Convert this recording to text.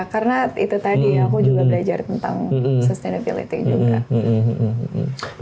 karena itu tadi aku juga belajar tentang sustainability juga